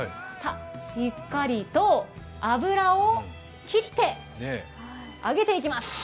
しっかりと油を切って、あげていきます。